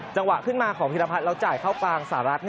จังหวะขึ้นมาของพิรพัฒน์แล้วจ่ายเข้ากลางสหรัฐ